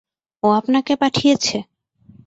ও আপনাকে পাঠিয়েছে?